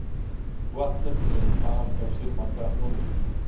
وخت نه پېژنو فهم تفسیر مطرح نه و.